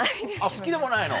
好きでもないの。